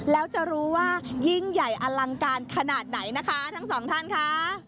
แล้วจะรู้ว่ายิ่งใหญ่อลังการขนาดไหนนะคะทั้งสองท่านค่ะ